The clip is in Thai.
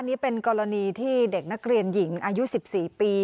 นี่เป็นกรณีที่เด็กนักเรียนหญิงอายุ๑๔ปี